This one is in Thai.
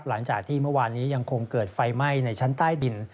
หลังจากที่เมื่อวานนี้ยังคงเกิดไฟไหม้ในชั้นใต้ดิน